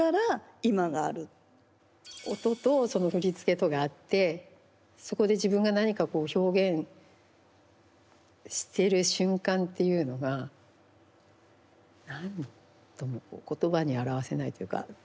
音とその振り付けとがあってそこで自分が何かこう表現してる瞬間っていうのが何とも言葉に表せないというか。